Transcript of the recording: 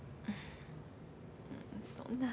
そんなん。